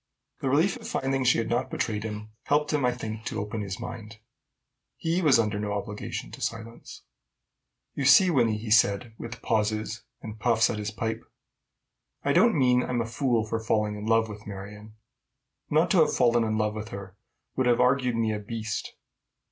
The relief of finding she had not betrayed him helped him, I think, to open his mind: he was under no obligation to silence. "You see, Wynnie," he said, with pauses, and puffs at his pipe, "I don't mean I'm a fool for falling in love with Marion. Not to have fallen in love with her would have argued me a beast.